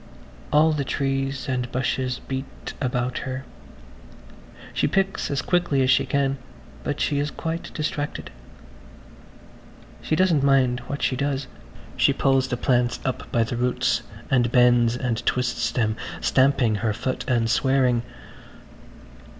All the trees and bushes beat about her. She picks as quickly as she can, but she is quite distracted. She doesn't mind what she does–she pulls the plants up by the roots and bends and twists them, stamping her foot and swearing.